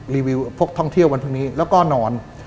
รีวิวพวกท่องเที่ยววันพรุ่งนี้แล้วก็นอน